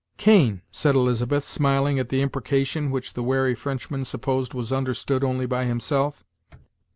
"Cane," said Elizabeth, smiling at the imprecation which the wary Frenchman supposed was understood only by himself.